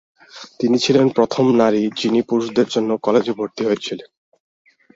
তিনি ছিলেন প্রথম নারী, যিনি পুরুষদের জন্য কলেজে ভর্তি হয়েছিলেন।